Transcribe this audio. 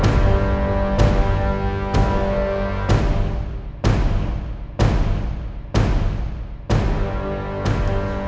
tante aku mau makan disini